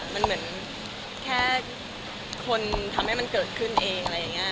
มันเหมือนแค่คนทำให้มันเกิดขึ้นเองอะไรอย่างนี้